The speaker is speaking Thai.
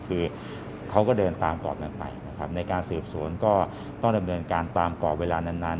คือเขาก็เดินตามกรอบนั้นไปนะครับในการสืบสวนก็ต้องดำเนินการตามกรอบเวลานานนาน